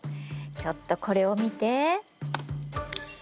ちょっとこれを見て。